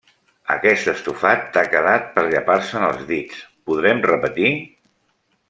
Aquest estofat t'ha quedat per llepar-se'n els dits. Podrem repetir?